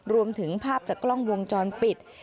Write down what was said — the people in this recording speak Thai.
รวมถึงภาพจากกล้องวงจรปิด